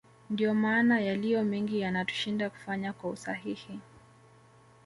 Ndio maana yaliyomengi yanatushinda kufanya kwa usahihi